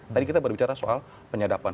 tadi kita baru bicara soal penyedapan